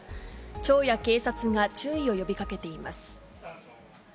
町や警察が注意を呼びかけています。